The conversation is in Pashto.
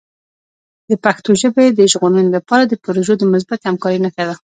د پښتو ژبې د ژغورنې لپاره پروژه د مثبتې همکارۍ نښه ده.